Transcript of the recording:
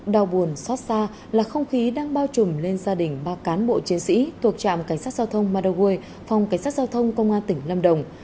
đau buồn xót xa là không khí đang bao trùm lên gia đình ba cán bộ chiến sĩ thuộc trạm cảnh sát giao thông madaway phòng cảnh sát giao thông công an tỉnh lâm đồng